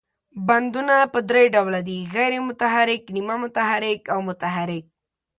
بندونه په درې ډوله دي، غیر متحرک، نیمه متحرک او متحرک.